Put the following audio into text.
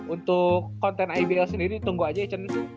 untuk konten ibl sendiri tunggu aja ya cen